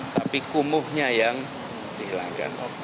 tapi kumuhnya yang dihilangkan